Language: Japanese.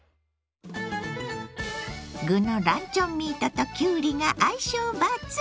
具のランチョンミートときゅうりが相性抜群！